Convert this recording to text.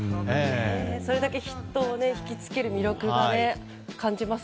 それだけ人を引き付ける魅力を感じます。